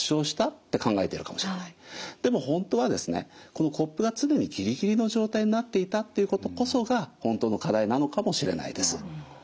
このコップが常にギリギリの状態になっていたっていうことこそが本当の課題なのかもしれないです。